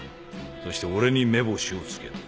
そして俺に目星を付けた。